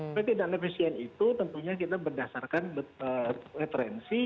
apd dan efisien itu tentunya kita berdasarkan referensi